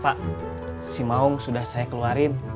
pak si maung sudah saya keluarin